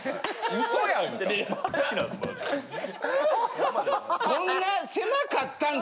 ウソやんか！